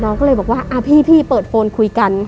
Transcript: น้องก็เลยบอกว่าพี่เปิดโฟนคุยกัน